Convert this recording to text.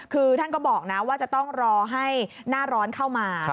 คือท่านก็บอกนะว่าจะต้องรอให้หน้าร้อนเข้ามา